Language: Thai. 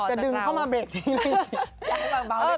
แม่อยากจะดึงเข้ามาเบรกนี้เลยจริง